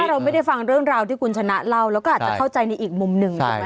เราไม่ได้ฟังเรื่องราวที่คุณชนะเล่าแล้วก็อาจจะเข้าใจในอีกมุมหนึ่งถูกไหม